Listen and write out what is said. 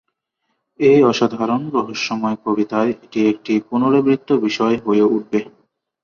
এই অসাধারণ রহস্যময় কবিতায় এটি একটি পুনরাবৃত্ত বিষয় হয়ে উঠবে।